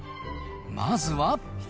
まずは。